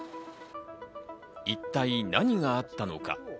一体何があったのか。